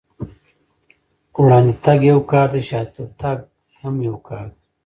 وړاندې تګ يو کار دی، شاته تګ هم يو کار دی.